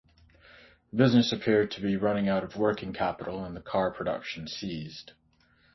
The business appeared to be running out of working capital and car production ceased.